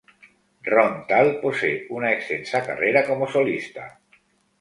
Ron Thal posee una extensa carrera como solista.